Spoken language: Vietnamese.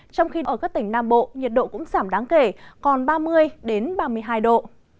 trong khi ở các tỉnh nam bộ nhiệt độ cũng giảm đáng kể còn ba mươi ba mươi hai độ